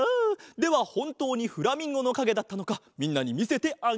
ではほんとうにフラミンゴのかげだったのかみんなにみせてあげよう。